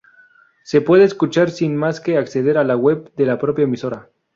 Se puede escuchar sin más que acceder a la web de la propia emisora.